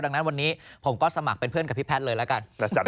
ดังนั้นวันนี้ผมก็สมัครเป็นเพื่อนกับพี่แพทย์เลยละกัน